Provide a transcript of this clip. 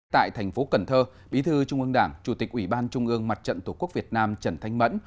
tại thành phố cần thơ bí thư trung ương đảng chủ tịch ủy ban trung ương mặt trận tổ quốc việt nam trần thanh mẫn